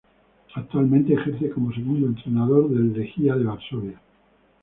Actualmente ejerce como segundo entrenador del Legia de Varsovia.